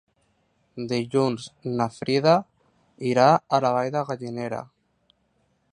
Dilluns na Frida irà a la Vall de Gallinera.